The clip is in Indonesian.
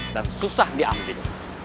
dan susah diambil